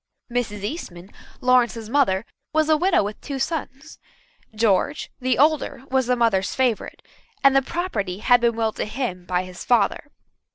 Mrs. Eastman, Lawrence's mother, was a widow with two sons. George, the older, was the mother's favourite, and the property had been willed to him by his father.